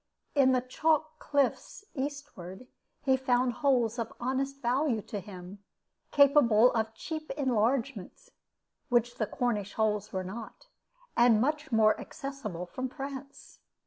In the chalk cliff's eastward he found holes of honest value to him, capable of cheap enlargement (which the Cornish holes were not), and much more accessible from France.